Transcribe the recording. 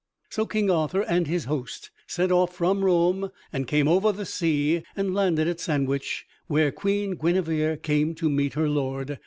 So King Arthur and his host set off from Rome and came over the sea and landed at Sandwich, where Queen Guinevere came to meet her lord.